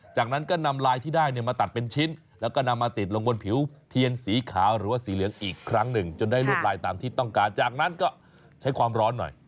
จากนั้นก็นำลายที่ได้มาตัดเป็นชิ้นแล้วก็นำมาติดลงบนผิวเทียนสีขาวหรือว่าสีเหลืองอีกครั้งหนึ่งจนได้ลวดลายตามที่ต้องการจากนั้นก็ใช้ความร้อนหน่อย